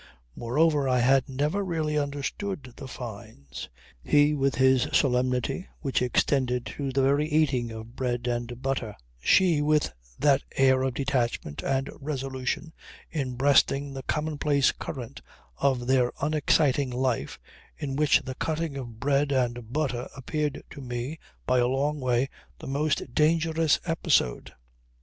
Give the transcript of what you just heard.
Moreover I had never really understood the Fynes; he with his solemnity which extended to the very eating of bread and butter; she with that air of detachment and resolution in breasting the common place current of their unexciting life, in which the cutting of bread and butter appeared to me, by a long way, the most dangerous episode.